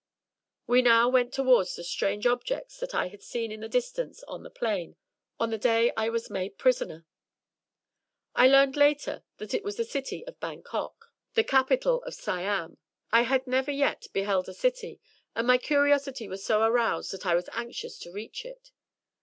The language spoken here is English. We now went towards the strange objects that I had seen in the distance on the plain, on the day I was made prisoner. I learned later that it was the city of Bangkok, the capital of 157 M Y BOOK HOUSE Siam. I had never yet beheld a city, and my curiosity was so aroused that I was anxious to reach it.